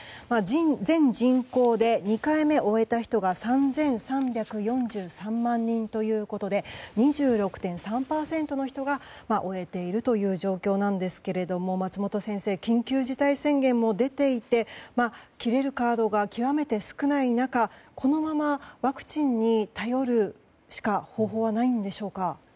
全人口で２回目を終えた人は３３４３万人ということで２６．３％の人が終えているという状況なんですけれども松本先生緊急事態宣言も出ていて切れるカードが極めて少ない中このままワクチンに頼るしか方法はないのでしょうか？